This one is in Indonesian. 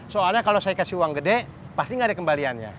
soalnya kalau saya kasih uang gede pasti nggak ada kembaliannya